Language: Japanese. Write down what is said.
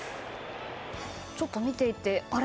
ちょっと見ていてあれ？